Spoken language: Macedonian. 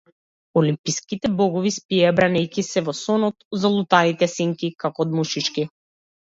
Олимпските богови спиеја бранејќи се во сонот од залутаните сенки, како од мушички.